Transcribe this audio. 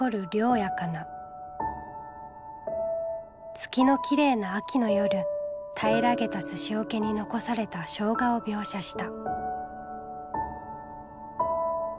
月のきれいな秋の夜平らげた寿司桶に残された生姜を描写した。